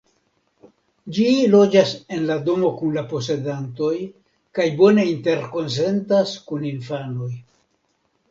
Ĝi loĝas en la domo kun la posedantoj kaj bone interkonsentas kun infanoj.